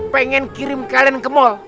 pengen kirim kalian ke mall